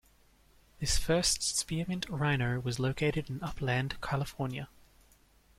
This first Spearmint Rhino was located in Upland, California.